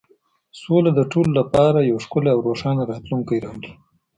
سوله د ټولو لپاره یو ښکلی او روښانه راتلونکی راوړي.